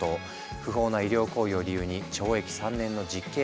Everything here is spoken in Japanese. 不法な医療行為を理由に懲役３年の実刑判決が下った。